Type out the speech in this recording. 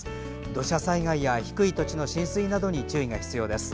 土砂災害や低い土地の浸水などに注意が必要です。